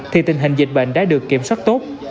thì tình hình dịch bệnh đã được kiểm soát tốt